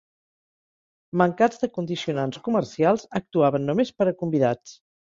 Mancats de condicionants comercials, actuaven només per a convidats.